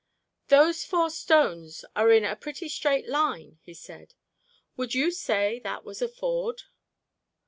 "Those four stones are in a pretty straight line," he said. "Would you say that was a ford?"